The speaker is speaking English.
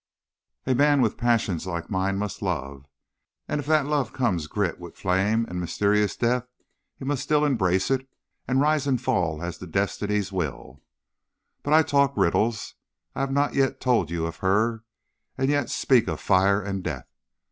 A man with passions like mine must love; and if that love comes girt with flame and mysterious death, he still must embrace it, and rise and fall as the destinies will. "But I talk riddles. I have not yet told you of her; and yet speak of fire and death.